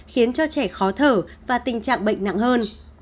khiến cho trẻ khó thở và tình trạng bệnh nặng hơn